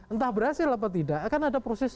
entah berhasil apa tidak akan ada proses